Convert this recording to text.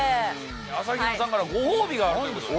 朝比奈さんからご褒美があるということで。